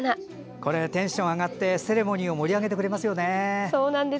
これ、テンション上がってセレモニーを盛り上げてくれますよね。